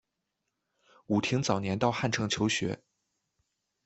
武亭早年到汉城求学。